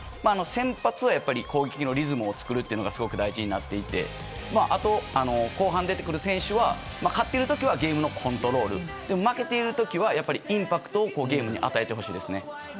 先発は攻撃のリズムを作るのがすごく大事になっていてあと、後半出てくる選手は勝っている時はゲームのコントロール負けている時はインパクトをゲームに与えてほしいですね。